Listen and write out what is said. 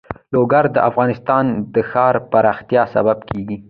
لوگر د افغانستان د ښاري پراختیا سبب کېږي.